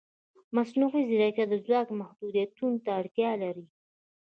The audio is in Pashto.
مصنوعي ځیرکتیا د ځواک محدودیت ته اړتیا لري.